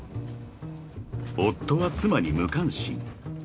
［夫は妻に無関心］